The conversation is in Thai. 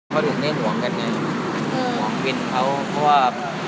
เค้าถูกเน่นห่วงกันเนี่ยห่วงวินเค้าเพราะว่า